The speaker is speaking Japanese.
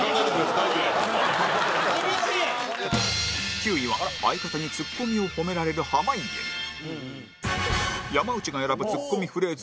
９位は、相方にツッコミを褒められる濱家山内が選ぶツッコミフレーズ